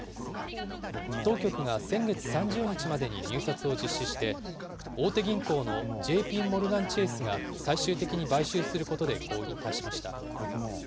当局が先月３０日までに入札を実施して、大手銀行のＪＰモルガン・チェースが、最終的に買収することで合意に達しました。